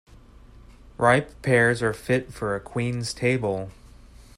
Ripe pears are fit for a queen's table.